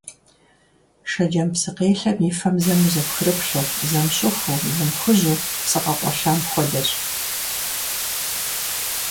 Шэджэм псыкъелъэм и фэм зэм узэпхрыплъу, зэм щӀыхуу, зэм хужьу, псы къэкъуэлъам хуэдэщ.